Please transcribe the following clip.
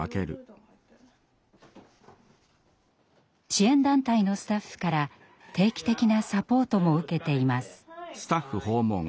支援団体のスタッフから定期的なサポートも受けています。